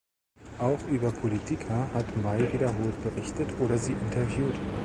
Auch über Politiker hat May wiederholt berichtet oder sie interviewt.